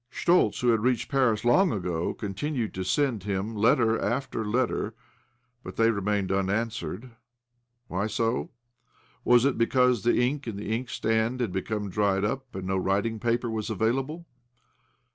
Schtoltz, who had reached Paris long ago, continued to send him letter after letter, but they remained unanswered. Why so? Was it because the ink in the inkstand had become dried up and no writing paper was available